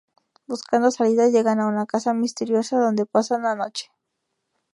Buscando salida llegan a una casa misteriosa donde pasan la noche.